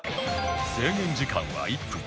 制限時間は１分